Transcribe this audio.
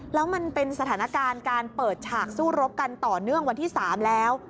แล้วมันเป็นสถานการณ์การเปิดฉากสู้รบกันต่อเนื่องวันที่๓แล้ว